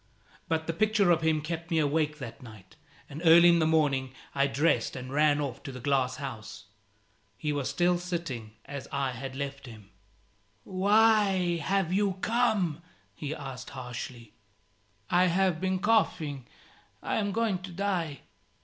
But the picture of him kept me awake that night, and early in the morning I dressed and ran off to the glass house. He was still sitting as I had left him. "Why have you come?" he asked, harshly. "I have been coughing. I am going to die."